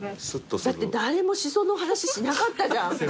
だって誰もシソの話しなかったじゃん。